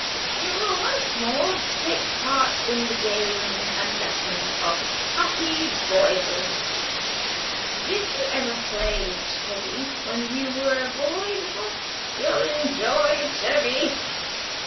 You will once more take part in the games and lessons of happy boyhood. (Did you ever play 'chevy' when you were a boy before? You'll enjoy chevy.)